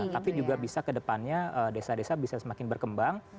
tapi juga bisa kedepannya desa desa bisa semakin berkembang